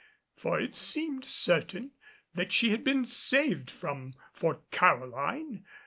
For it seemed certain that she had been saved from Fort Caroline.